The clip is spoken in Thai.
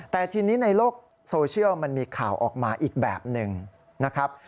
แต่ทีนี้ในโลกโซเชียลมันมีข่าวออกมาอีกแบบหนึ่งนะครับ